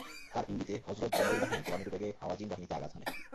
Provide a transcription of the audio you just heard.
তার ইঙ্গিতে হযরত যুবাইর বাহিনী টর্নেডো বেগে হাওয়াযিন বাহিনীতে আঘাত হানে।